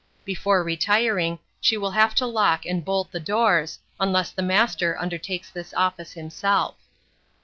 Before retiring, she will have to lock and bolt the doors, unless the master undertakes this office himself.